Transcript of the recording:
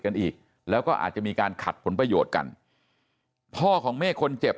กันอีกแล้วก็อาจจะมีการขัดผลประโยชน์กันพ่อของเมฆคนเจ็บ